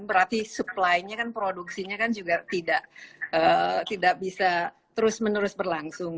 berarti supply nya kan produksinya kan juga tidak bisa terus menerus berlangsung